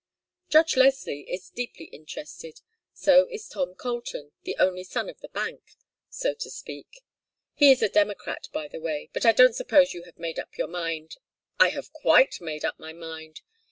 Judge Leslie is deeply interested; so is Tom Colton, the only son of the bank, so to speak. He is a Democrat, by the way but I don't suppose you have made up your mind " "I have quite made up my mind.